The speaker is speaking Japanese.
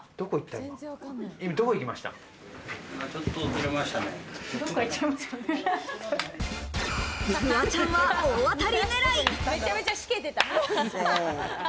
５、４、３、２、フワちゃんは大当たり狙い。